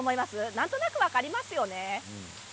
なんとなく分かりますよね。